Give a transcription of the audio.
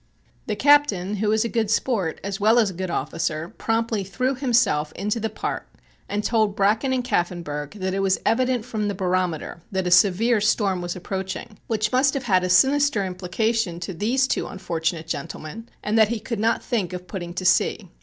The captain, who was a good sport as well as a good officer, promptly threw himself into the part and told Bracken and Kaffenburgh that it was evident from the barometer that a severe storm was approaching (which must have had a sinister implication to these two unfortunate gentlemen), and that he could not think of putting to sea.